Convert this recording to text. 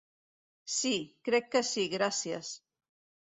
Si, crec que si gràcies.